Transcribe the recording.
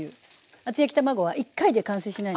厚焼き卵は１回では完成しないので。